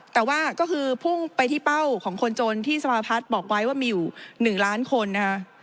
แต่ว่าก็คือพุ่งไปที่เป้าของคนจนที่สภาพัฒน์บอกไว้ว่ามีอยู่๑ล้านคนนะคะ